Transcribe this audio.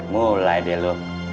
mulai deh lo